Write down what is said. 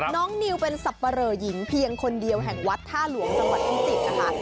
น้องนิวเป็นสับปะเรอหญิงเพียงคนเดียวแห่งวัดท่าหลวงสังหวัดทุนจิต